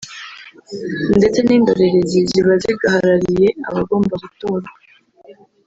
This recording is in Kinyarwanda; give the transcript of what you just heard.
ndetse n’indorerezi ziba zigaharariye abagomba gutorwa